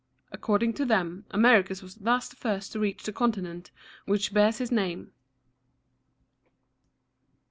According to them, Americus was thus the first to reach the continent which bears his name.